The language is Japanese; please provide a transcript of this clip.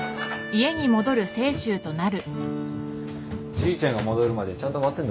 じいちゃんが戻るまでちゃんと待ってんだぞ。